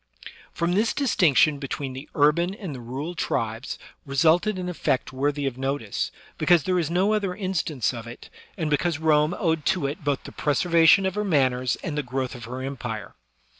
From this distinction between the urban and the rural tribes resulted an effect worthy of notice, because there is no other instance of it, and because Rome owed to it both the preservation of her manners and the growth of her empire.